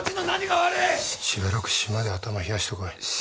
しばらく島で頭冷やしてこい。